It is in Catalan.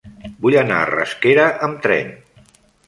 Vull anar a Rasquera amb tren.